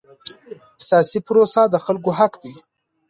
سیاسي پروسه د خلکو حق دی